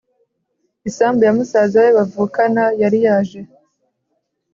isambu ya musaza we bavukana yari yaje